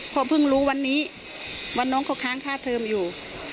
พอเพิ่งรู้วันนี้วันน้องเขาค้างค่าเทิมอยู่